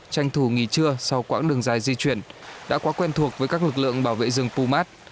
tranh thủ nghỉ trưa sau quãng đường dài di chuyển đã quá quen thuộc với các lực lượng bảo vệ rừng pumat